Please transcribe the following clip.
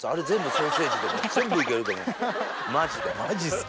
マジっすか。